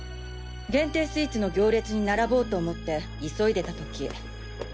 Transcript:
限定スイーツの行列に並ぼうと思って急いでた時。